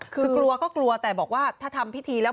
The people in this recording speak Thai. คือกลัวก็กลัวแต่บอกว่าถ้าทำพิธีแล้ว